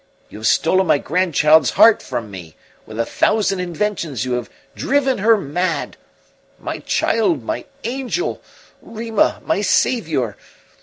You have stolen my grandchild's heart from me; with a thousand inventions you have driven her mad! My child, my angel, Rima, my saviour!